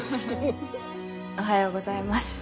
おはようございます。